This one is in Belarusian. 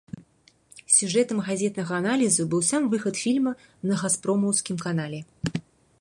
Сюжэтам газетнага аналізу быў сам выхад фільма на газпромаўскім канале.